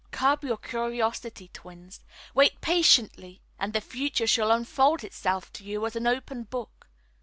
"Curb your curiosity, twins. Wait patiently and the future shall unfold itself to you as an open book.